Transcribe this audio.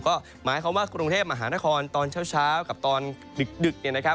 ก็หมายความว่ากรุงเทพฯมหานครตอนเช้ากับตอนดึก